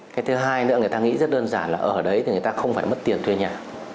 cái thứ hai nữa người ta nghĩ rất đơn giản là ở đấy thì người ta không phải mất tiền thuê nhà